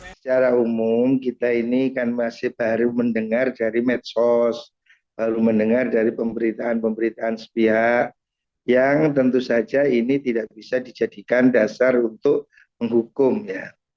secara umum kita ini kan masih baru mendengar dari medsos baru mendengar dari pemberitaan pemberitaan sepihak yang tentu saja ini tidak bisa dijadikan dasar untuk menghukum ya